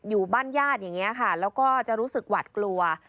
อยู่บ้านญาติอย่างนี้ค่ะแล้วก็จะรู้สึกหวัดกลัว